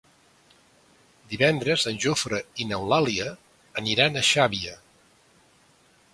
Divendres en Jofre i n'Eulàlia aniran a Xàbia.